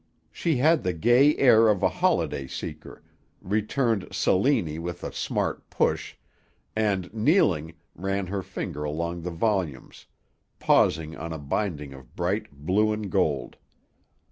She had the gay air of a holiday seeker, returned "Cellini" with a smart push, and kneeling, ran her finger along the volumes, pausing on a binding of bright blue and gold.